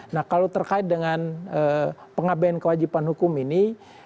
nah kalau terkait dengan pengabaian kewajiban hukum ini